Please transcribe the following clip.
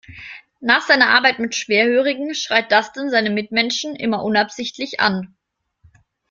Nach seiner Arbeit mit Schwerhörigen schreit Dustin seine Mitmenschen immer unabsichtlich an.